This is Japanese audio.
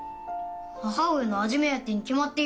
母上の味目当てに決まっているであろう。